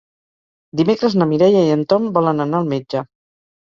Dimecres na Mireia i en Tom volen anar al metge.